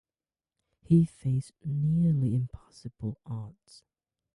He faced nearly impossible odds.